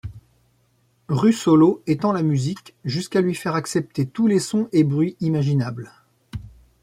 Russolo étend la musique jusqu'à lui faire accepter tous les sons et bruits imaginables.